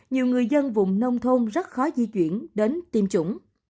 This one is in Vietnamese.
nhiều người dân vùng nông thôn rất khó di chuyển đến tiêm chủng